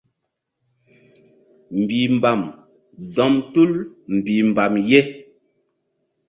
Mbih mbam dɔm tul mbihmbam ye.